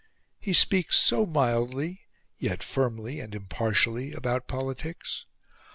He speaks so mildly, yet firmly and impartially, about politics.